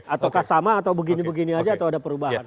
atau kasama atau begini begini saja atau ada perubahan